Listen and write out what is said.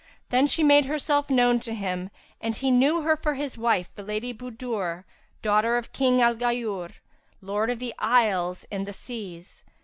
Then she made herself known to him, and he knew her for his wife, the Lady Budur, daughter of King al Ghayur, Lord of the Isles and the Seas.